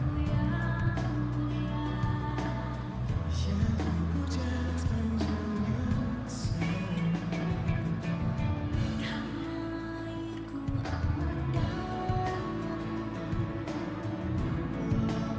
mewakili panglima angkatan bersenjata singapura